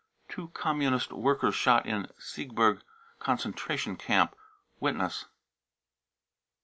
two communist workers shot in Siegburg conc< tration camp. (Witness.)